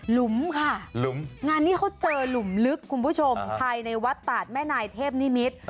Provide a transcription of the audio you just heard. หลุมค่ะหลุมงานนี้เขาเจอหลุมลึกคุณผู้ชมภายในวัดตาดแม่นายเทพนิมิตร